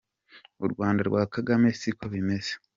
U Rwanda rwa Kagamé siko bimeze.